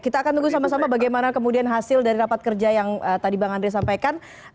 kita akan tunggu sama sama bagaimana kemudian hasil dari rapat kerja yang tadi bang andre sampaikan